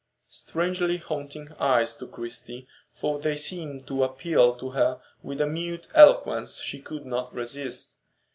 Strangely haunting eyes to Christie, for they seemed to appeal to her with a mute eloquence she could not resist.